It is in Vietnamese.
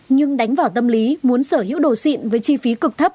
nhưng đánh vào tâm lý muốn sở hữu đồ sịn với chi phí cực thấp